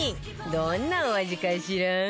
どんなお味かしら？